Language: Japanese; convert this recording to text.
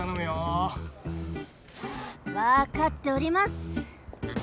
分かっております。